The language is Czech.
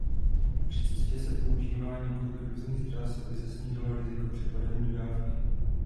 Při cestě se používá několik různých tras aby se snížilo riziko přepadení dodávky.